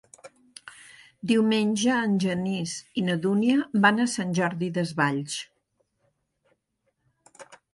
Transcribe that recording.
Diumenge en Genís i na Dúnia van a Sant Jordi Desvalls.